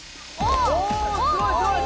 おすごいすごい。